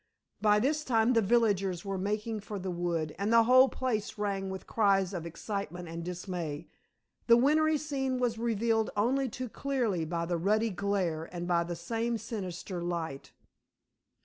By this time the villagers were making for the wood, and the whole place rang with cries of excitement and dismay. The wintry scene was revealed only too clearly by the ruddy glare and by the same sinister light.